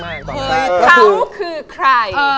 เฮ้ยเขาคือใคร